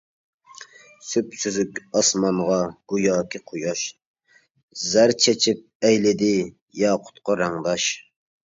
سۈپسۈزۈك ئاسمانغا گوياكى قۇياش، زەر چېچىپ ئەيلىدى ياقۇتقا رەڭداش.